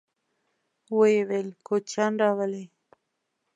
ويې ويل: کوچيان راولئ!